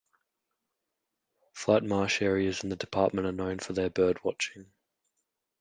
Flat marsh areas in the department are known for their bird watching.